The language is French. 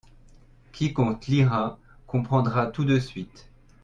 Quiconque lira comprendra tout de suite.